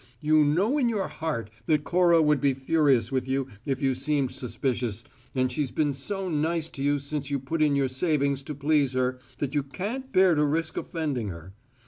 You know in your heart that Cora would be furious with you if you seemed suspicious, and she's been so nice to you since you put in your savings to please her, that you can't bear to risk offending her.